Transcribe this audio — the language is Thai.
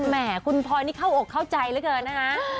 แห่คุณพลอยนี่เข้าอกเข้าใจเหลือเกินนะคะ